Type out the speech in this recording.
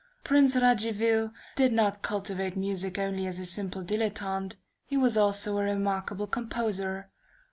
Prince Radziwill did not cultivate music only as a simple dilettante, he was also a remarkable composer.